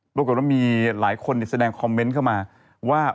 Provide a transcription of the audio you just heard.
ปรากฏว่ามีหลายคนแสดงคอมเมนต์เข้ามาว่า